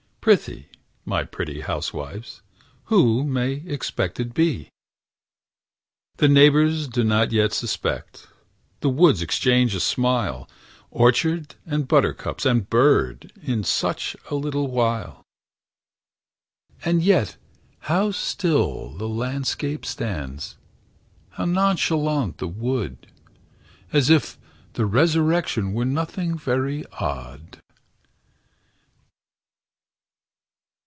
Prithee, my pretty housewives! Who may expected be? The neighbors do not yet suspect! The woods exchange a smile Orchard, and buttercup, and bird In such a little while! And yet how still the landscape stands, How nonchalant the wood, As if the resurrection Were nothing very odd!